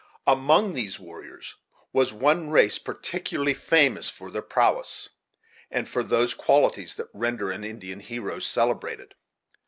Among these warriors was one race particularly famous for their prowess, and for those qualities that render an Indian hero celebrated.